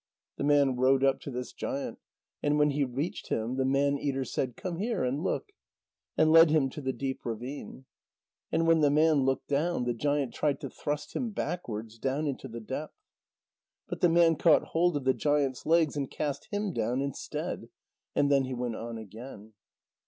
The man rowed up to this giant. And when he reached him, the man eater said: "Come here and look," and led him to the deep ravine. And when the man looked down, the giant tried to thrust him backwards down into the depth. But the man caught hold of the giant's legs and cast him down instead. And then he went on again.